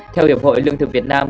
theo hiệp hội lương thực việt nam